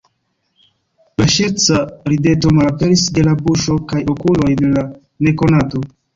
La ŝerca rideto malaperis de la buŝo kaj okuloj de la nekonato.